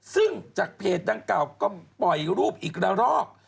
ซึ่งจากเพจดังกล่าวก็ปล่อยรูปอีกละรอก